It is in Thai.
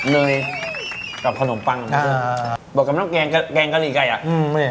เนยกับขนมปังอ่าบวกกับน้ำแกงกะหรี่ไก่อ่ะอืม